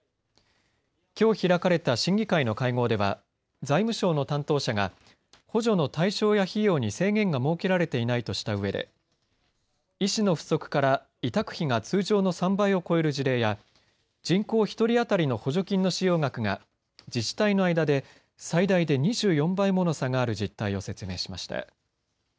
きょう開かれた審議会の会合では財務省の担当者が補助の対象や費用に制限が設けられていないとしたうえで医師の不足から委託費が通常の３倍を超える事例や人口１人当たりの補助金の使用額が自治体の間で最大で２４倍もの差がある実態を説明しました。